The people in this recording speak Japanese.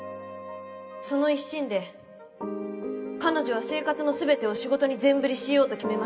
その一心で彼女は生活の全てを仕事に全振りしようと決めました。